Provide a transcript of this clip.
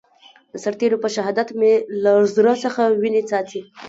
د سرتېرو په شهادت مې له زړه څخه وينې څاڅي.